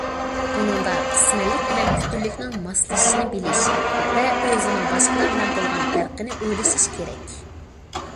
بۇنىڭدا قىسمەنلىك بىلەن پۈتۈنلۈكنىڭ ماسلىشىشىنى بىلىش ۋە ئۆزىنىڭ باشقىلار بىلەن بولغان پەرقىنى ئويلىشىش كېرەك.